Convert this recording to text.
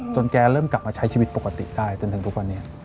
แกเริ่มกลับมาใช้ชีวิตปกติได้จนถึงทุกวันนี้